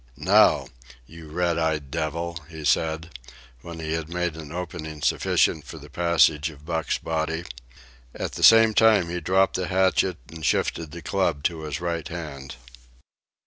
"Now, you red eyed devil," he said, when he had made an opening sufficient for the passage of Buck's body. At the same time he dropped the hatchet and shifted the club to his right hand.